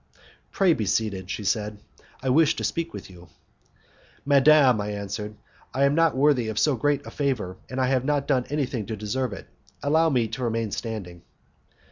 "Pray be seated," she said, "I wish to speak with you." "Madam," I answered, "I am not worthy of so great a favour, and I have not yet done anything to deserve it; allow me to remain standing."